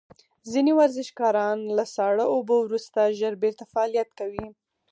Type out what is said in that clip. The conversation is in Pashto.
ځینې ورزشکاران له ساړه اوبو وروسته ژر بیرته فعالیت کوي.